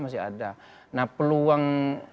masih ada nah peluang